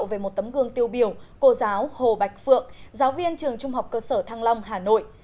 về một tấm gương tiêu biểu cô giáo hồ bạch phượng giáo viên trường trung học cơ sở thăng long hà nội